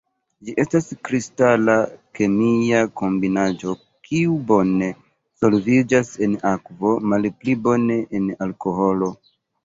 Ĝi estas kristala kemia kombinaĵo, kiu bone solviĝas en akvo, malpli bone en alkoholo.